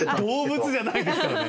動物じゃないですからね。